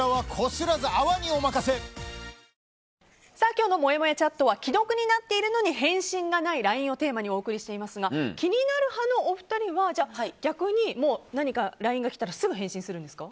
今日のもやもやチャットは既読になっているのに返信がないＬＩＮＥをテーマにお送りしていますが気になる派のお二人は逆に何かＬＩＮＥがきたらすぐ返信するんですか？